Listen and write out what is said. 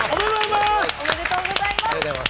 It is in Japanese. おめでとうございます！